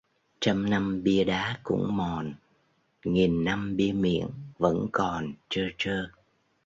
Trăm năm bia đá cũng mòn, nghìn năm bia miệng vẫn còn trơ trơ.